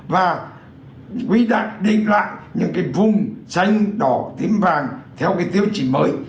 và quy định lại những vùng xanh đỏ tím vàng theo tiêu chí mới